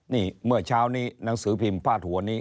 นี่เมื่อเช้านี้หนังสือพิมพ์พาดหัวนี้